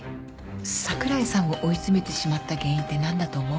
櫻井さんを追い詰めてしまった原因って何だと思う？